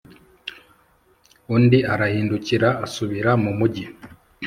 undi arahindukira asubira mu mugi.